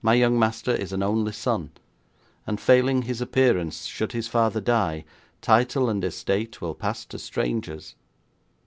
My young master is an only son, and failing his appearance, should his father die, title and estate will pass to strangers.